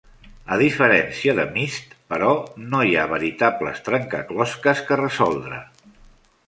A diferència de Myst, però, no hi ha veritables trencaclosques que resoldre.